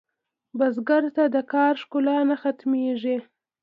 بزګر ته د کار ښکلا نه ختمېږي